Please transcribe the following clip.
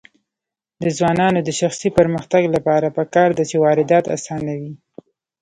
د ځوانانو د شخصي پرمختګ لپاره پکار ده چې واردات اسانوي.